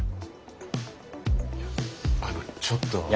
いやあのちょっと。